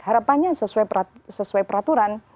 harapannya sesuai peraturan